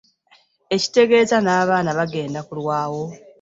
Ekitegeeza n'abaana bagenda kulwawo.